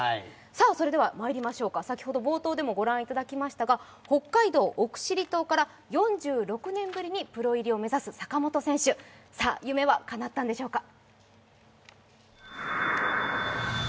それでは、まいりましょうか、冒頭でもご覧いただきましたが、北海道奥尻島で、４６年ぶりにプロ入りを目指す坂本選手さあ、夢はかなったんしょうか。